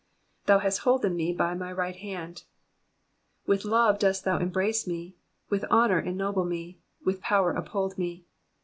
''''Thou hast holden me by my right Jutnd.'''' With love dost thou embrace me, with honour ennoble me, with power uphold me.